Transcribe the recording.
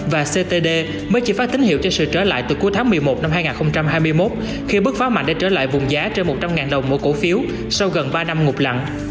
và ctd mới chỉ phát tín hiệu cho sự trở lại từ cuối tháng một mươi một năm hai nghìn hai mươi một khi bức phá mạnh đã trở lại vùng giá trên một trăm linh đồng mỗi cổ phiếu sau gần ba năm ngục lặng